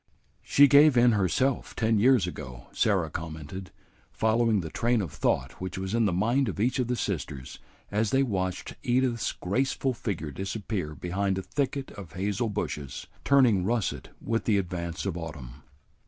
"She gave in herself ten years ago," Sarah commented, following the train of thought which was in the mind of each of the sisters as they watched Edith's graceful figure disappear behind a thicket of hazel bushes, turning russet with the advance of autumn.